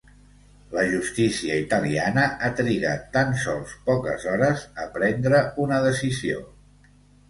La justícia italiana ha trigat tan sols poques hores a prendre una decisió.